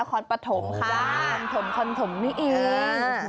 คอนโถมคอนโถมนี่อีก